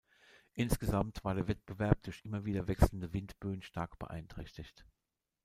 Insgesamt war der Wettbewerb durch immer wieder wechselnde Windböen stark beeinträchtigt.